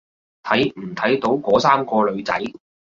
睇唔睇到嗰三個女仔？